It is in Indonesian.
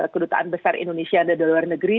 kedutaan besar indonesia dari luar negeri